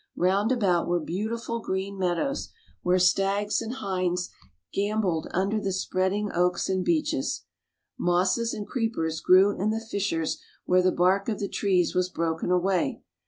Round about were beautiful green meadows, where stags and hinds gambolled under the spreading oaks and beeches. Mosses and creepers grew in the fissures where the bark of the trees was broken away.